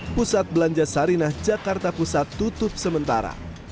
pusat belanja sarinah jakarta pusat tutup sementara